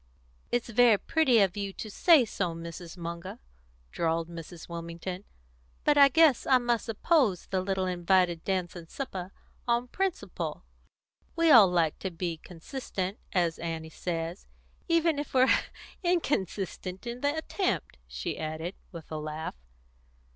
"It's very pretty of you to say so, Mrs. Munger," drawled Mrs. Wilmington. "But I guess I must oppose the little invited dance and supper, on principle. We all like to be consistent, as Annie says even if we're inconsistent in the attempt," she added, with a laugh.